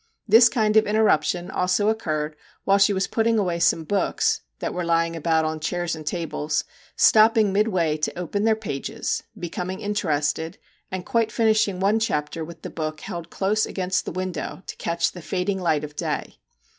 This kind of interruption also occurred while she was putting away some books that were lying about on chairs and tables, stopping midway to open their pages, becoming interested, and quite finishing one chapter with the book held close against the window to catch the fading light of day.